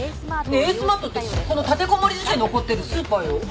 ねえエースマートってこの立てこもり事件の起こってるスーパーよ。